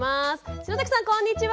篠崎さんこんにちは。